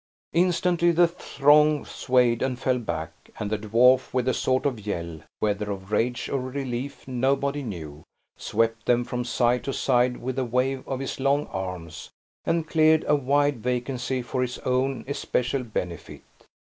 Instantly, the throng swayed and fell back; and the dwarf, with a sort of yell (whether of rage or relief, nobody knew), swept them from side to side with a wave of his long arms, and cleared a wide vacancy for his own especial benefit.